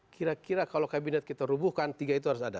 kira kira kalau kabinet kita rubuhkan tiga itu harus ada